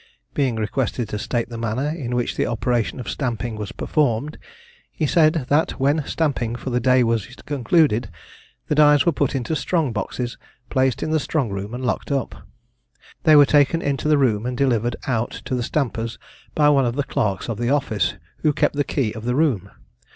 Being requested to state the manner in which the operation of stamping was performed, he said, that when the stamping for the day was concluded, the dies were put into strong boxes, placed in the strong room and locked up. They were taken into the room and delivered out to the stampers by one of the clerks of the office, who kept the key of the room.